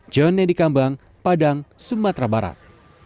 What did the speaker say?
john nedi kambang padang sumatera barat